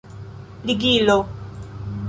ligilo